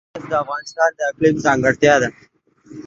مس د افغانستان د اقلیم ځانګړتیا ده.